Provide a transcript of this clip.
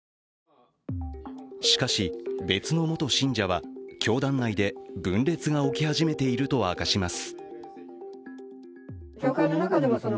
しかし、別の元信者は教団内で分裂が起き始めていると明かします。